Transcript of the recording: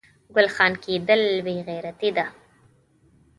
ګل خان کیدل بې غیرتي ده